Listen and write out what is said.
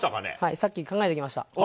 さっき考えてきました。